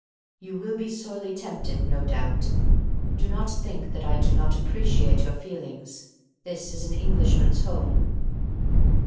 "You will be sorely tempted, no doubt. Do not think that I do not appreciate your feelings. This is an Englishman's Home."